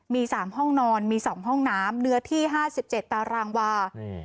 มีสามห้องนอนมีสองห้องน้ำเนื้อที่ห้าสิบเจ็ดตารางวา